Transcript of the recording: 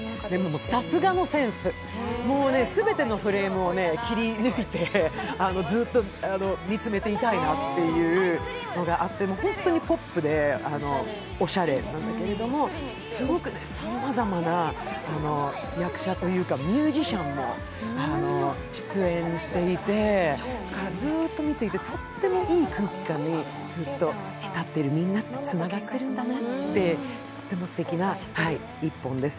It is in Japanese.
さすがのセンス、全てのフレームを切り抜いて、ずっと見つめていたいなっていうのがあってホントにポップでおしゃれなんだけれども、すごくさまざまな役者というか、ミュージシャンも出演していて、ずっと見ていて、とってもいい空気感にひたっているみんなってつながってるんだなってとってもすてきな一本です。